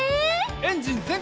エンジンぜんかい！